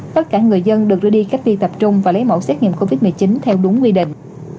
tất cả người dân được đưa đi cách ly tập trung và lấy mẫu xét nghiệm covid một mươi chín theo đúng quy định